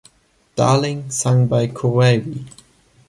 Darling sung by Corabi.